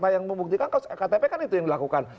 yang membuktikan ktp kan itu yang dilakukan